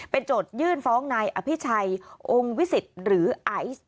เป็นโจทยื่นฟ้องในอภิชัยองค์วิสิตหรือไอ